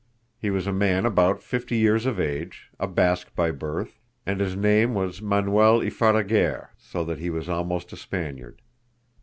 He was a man about fifty years of age, a Basque by birth, and his name was Manuel Ipharaguerre, so that he was almost a Spaniard.